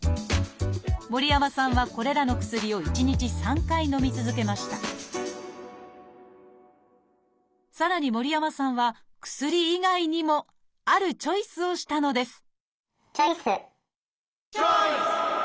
森山さんはこれらの薬を１日３回のみ続けましたさらに森山さんは薬以外にもあるチョイスをしたのですチョイス！